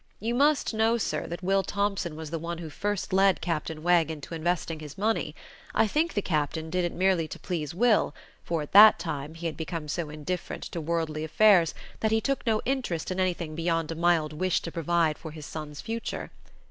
"You must know, sir, that Will Thompson was the one who first led Captain Wegg into investing his money. I think the Captain did it merely to please Will, for at that time he had become so indifferent to worldly affairs that he took no interest in anything beyond a mild wish to provide for his son's future.